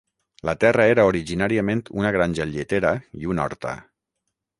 La terra era originàriament una granja lletera i una horta.